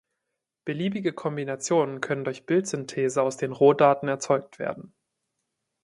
Beliebige Kombinationen können durch Bildsynthese aus den Rohdaten erzeugt werden.